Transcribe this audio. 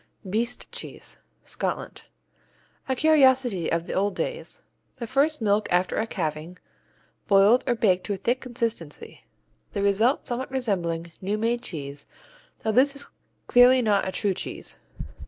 Beist Cheese Scotland A curiosity of the old days. "The first milk after a calving, boiled or baked to a thick consistency, the result somewhat resembling new made cheese, though this is clearly not a true cheese."